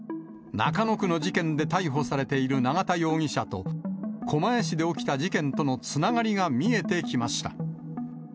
中野区の事件で逮捕されている永田容疑者と、狛江市で起きた事件とのつながりが見えてきました。